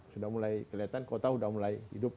sudah mulai kelihatan kota sudah mulai hidup